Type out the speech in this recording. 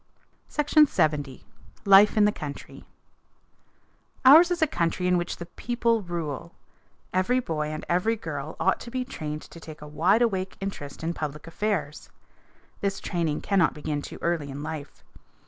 SECTION LXX. LIFE IN THE COUNTRY As ours is a country in which the people rule, every boy and every girl ought to be trained to take a wide awake interest in public affairs. This training cannot begin too early in life.